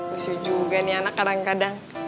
lucu juga nih anak kadang kadang